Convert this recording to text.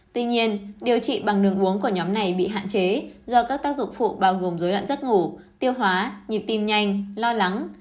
tuy nhiên điều trị bằng đường uống của nhóm này bị hạn chế do các tác dụng phụ bao gồm dối loạn giấc ngủ tiêu hóa nhịp tim nhanh lo lắng